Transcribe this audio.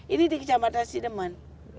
ini di kecamatan sidemen